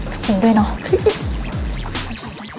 ขอบคุณด้วยเนอะ